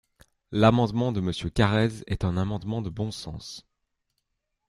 L’amendement de Monsieur Carrez est un amendement de bon sens.